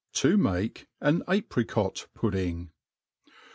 To tnaii an Apricot* Pudding.